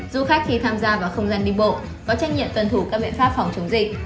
du khách khi tham gia vào không gian đi bộ có trách nhiệm tuân thủ các biện pháp phòng chống dịch